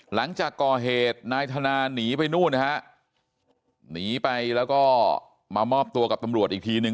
หลังจากก่อเหตุนายธนาหนีไปนู่นนะฮะหนีไปแล้วก็มามอบตัวกับตำรวจอีกทีนึง